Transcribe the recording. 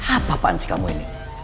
apa apaan sih kamu ini